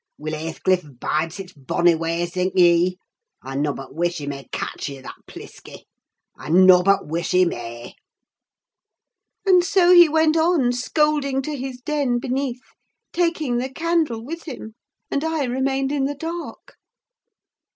Will Hathecliff bide sich bonny ways, think ye? I nobbut wish he may catch ye i' that plisky. I nobbut wish he may." And so he went on scolding to his den beneath, taking the candle with him; and I remained in the dark.